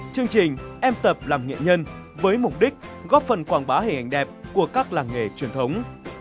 chương trình em tập làm nghệ nhân với mục đích góp phần quảng bá hình ảnh đẹp của các làng nghề truyền thống